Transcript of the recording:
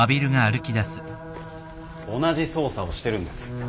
同じ捜査をしてるんです。